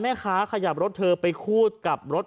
แม่ค้าขยับรถเธอไปคูดกับรถ